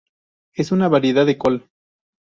Es una variedad de col.